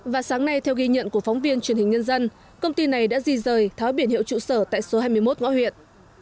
và sáng nay theo ghi nhận của phóng viên truyền hình nhân dân công ty này đã di rời tháo biển hiệu trụ sở tại số hai mươi một ngõ huyện